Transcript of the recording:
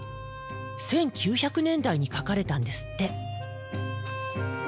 １９００年代に描かれたんですって。